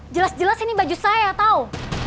jelas jelas ini baju saya tahu